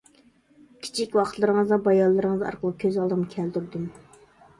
كىچىك ۋاقىتلىرىڭىزنى بايانلىرىڭىز ئارقىلىق كۆز ئالدىمغا كەلتۈردۈم.